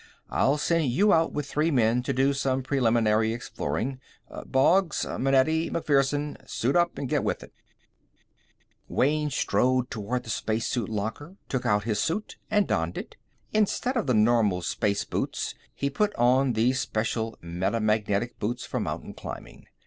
"I'll send you out with three men to do some preliminary exploring. Boggs! Manetti! MacPherson! Suit up and get with it!" Wayne strode toward the spacesuit locker, took out his suit, and donned it. Instead of the normal space boots, he put on the special metamagnetic boots for mountain climbing.